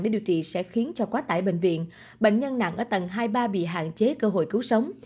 để điều trị sẽ khiến cho quá tải bệnh viện bệnh nhân nặng ở tầng hai mươi ba bị hạn chế cơ hội cứu sống